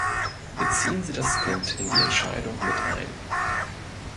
Beziehen Sie das Kind in die Entscheidung mit ein.